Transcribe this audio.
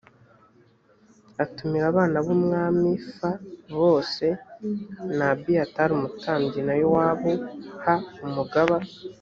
atumira abana b umwami f bose na abiyatari umutambyi na yowabu h umugaba